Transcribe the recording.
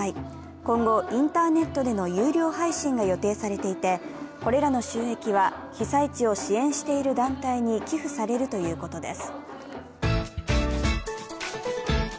今後、インターネットでの有料配信が予定されていてこれらの収益は、被災地を支援している団体に寄付されるということです。